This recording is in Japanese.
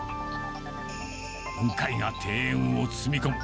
雲海が庭園を包み込む。